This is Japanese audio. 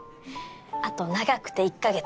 あと長くて１か月。